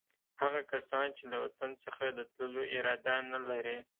هغه کسان چې له وطن څخه د تللو اراده نه لري.